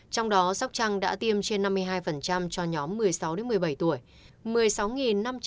trong đó sóc trăng đã tiêm trên năm mươi hai cho nhóm một mươi sáu một mươi bảy tuổi